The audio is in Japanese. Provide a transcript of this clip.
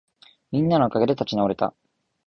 みんなのおかげで立ち直れた